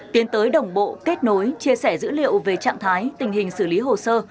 tiến tới đồng bộ kết nối chia sẻ dữ liệu về trạng thái tình hình xử lý hồ sơ